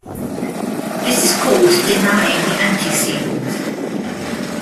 This is called denying the antecedent.